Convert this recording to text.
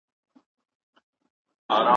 کله به نړیواله ټولنه ګمرک تایید کړي؟